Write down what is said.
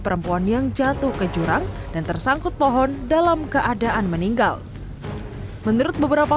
perempuan yang jatuh ke jurang dan tersangkut pohon dalam keadaan meninggal menurut beberapa